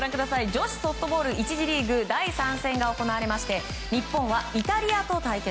女子ソフトボール１次リーグ第３戦が行われまして日本はイタリアと対決。